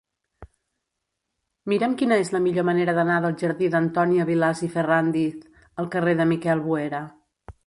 Mira'm quina és la millor manera d'anar del jardí d'Antònia Vilàs i Ferràndiz al carrer de Miquel Boera.